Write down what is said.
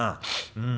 うん。